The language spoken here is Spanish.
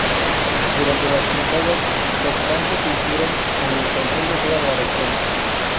Durante las cruzadas, los francos se hicieron con el control de toda la región.